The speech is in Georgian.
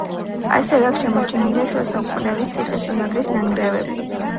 ასევე აქ შემორჩენილია შუა საუკუნეების ციხესიმაგრის ნანგრევები.